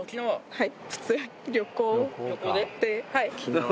はい。